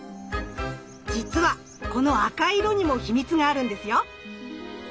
じつはこの赤い色にもヒミツがあるんですよ。